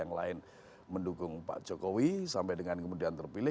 yang lain mendukung pak jokowi sampai dengan kemudian terpilih